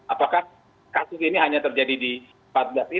apakah kasus ini hanya terjadi di rumah sakit